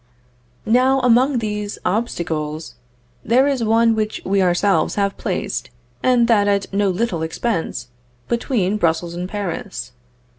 Now, among these obstacles, there is one which we ourselves have placed, and that at no little expense, between Brussels and Paris.